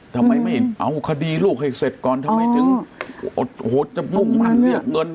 ทำไมไม่เอาคดีลูกให้เสร็จก่อนทำไมถึงโอ้โหจะมุ่งมั่นเรียกเงิน